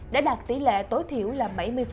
đã đạt tỷ lệ tối thiểu là bảy mươi